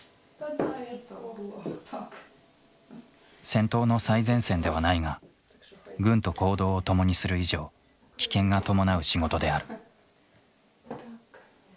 戦闘の最前線ではないが軍と行動を共にする以上危険が伴う仕事である。